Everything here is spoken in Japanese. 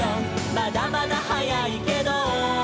「まだまだ早いけど」